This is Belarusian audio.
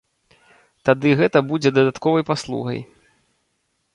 Тады гэта будзе дадатковай паслугай.